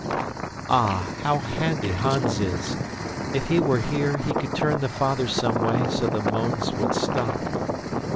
Ah, how handy Hans is! If he were here, he could turn the father some way so the moans would stop.